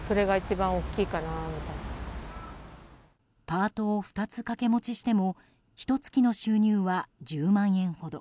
パートを２つ掛け持ちしてもひと月の収入は１０万円ほど。